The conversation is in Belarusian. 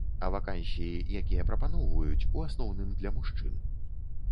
А вакансіі, якія прапаноўваюць, у асноўным для мужчын.